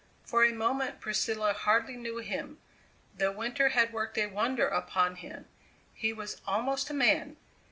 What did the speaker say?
For a moment Priscilla hardly knew him. The winter had worked a wonder upon him. He was almost a man!